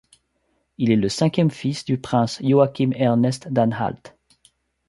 Il est le cinquième fils du prince Joachim-Ernest d'Anhalt.